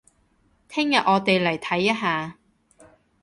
聽日我哋嚟睇一下